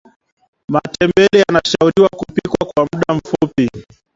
matembele yanashauriwa kupikwa kwa mda mfupi